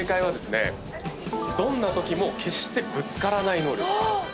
どんなときも決してぶつからない能力。